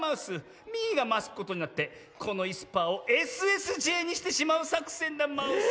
ミーがマスコットになってこのいすパーをＳＳＪにしてしまうさくせんだマウス。